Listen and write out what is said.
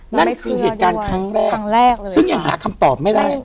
นั่นคือเหตุการณ์ครั้งแรกครั้งแรกเลยซึ่งยังหาคำตอบไม่ได้